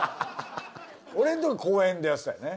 俺んとこは公園でやってたよね。